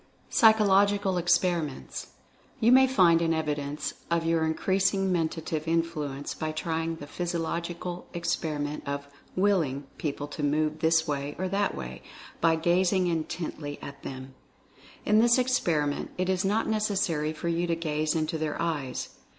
PSYCHOLOGICAL EXPERIMENTS. You may find an evidence of your increasing Men tative Influence by trying the psychological experiment of "Willing" people to move this way or that way, by gazing intently at them. In this experiment it is not necessary for you to gaze into their eyes.